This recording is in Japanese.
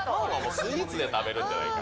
スイーツで食べるんじゃないかと。